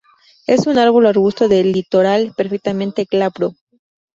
Es un árbol o arbusto del litoral perfectamente glabro.